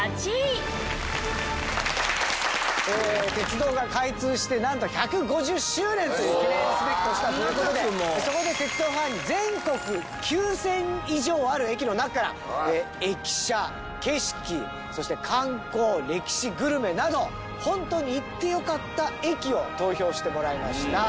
鉄道が開通してなんと１５０周年という記念すべき年だという事でそこで鉄道ファンに全国９０００以上ある駅の中から駅舎景色そして観光歴史グルメなど本当に行ってよかった駅を投票してもらいました。